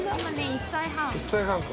１歳半か。